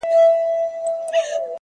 څوک چي له گلاب سره ياري کوي ـ